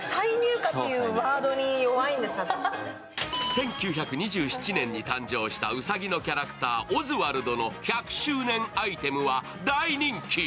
１９２７年に誕生したうさぎのキャラクター、オズワルドの１００周年アイテムは大人気。